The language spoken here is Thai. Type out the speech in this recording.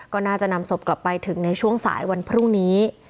ก็น่าจะนำศพกลับไปถึงในช่วงสายวันพรุ่งนี้